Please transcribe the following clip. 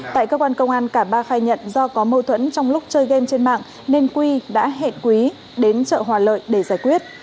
tại cơ quan công an cả ba khai nhận do có mâu thuẫn trong lúc chơi game trên mạng nên quy đã hẹn quý đến chợ hòa lợi để giải quyết